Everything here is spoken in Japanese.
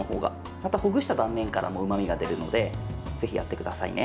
また、ほぐした断面からもうまみが出るのでぜひ、やってくださいね。